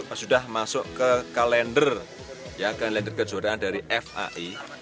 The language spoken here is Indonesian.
kita sudah masuk ke kalender kejuaraan dari fai